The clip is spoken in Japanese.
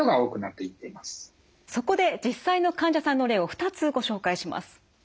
そこで実際の患者さんの例を２つご紹介します。